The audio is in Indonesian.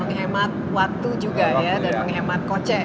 menghemat waktu juga ya dan menghemat kocek